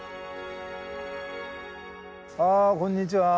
あこんにちは。